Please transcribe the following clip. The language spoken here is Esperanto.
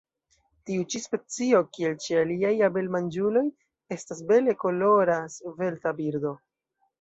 Tiu ĉi specio, kiel ĉe aliaj abelmanĝuloj, estas bele kolora, svelta birdo.